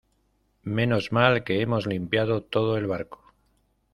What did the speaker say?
menos mal que hemos limpiado todo el barco ;